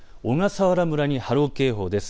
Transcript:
小笠原村に波浪警報です。